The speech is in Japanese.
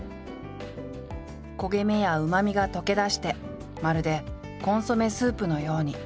焦げ目やうまみが溶け出してまるでコンソメスープのように。